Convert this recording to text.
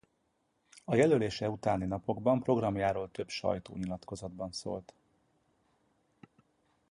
A jelölése utáni napokban programjáról több sajtó- nyilatkozatban szólt.